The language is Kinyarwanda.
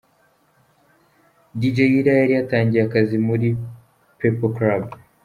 Dj Ira yari yatangiye akazi muri 'Peaple club'.